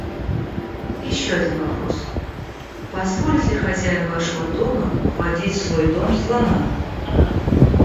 Еще один вопрос: позволит ли хозяин вашего дома вводить в свой дом слона?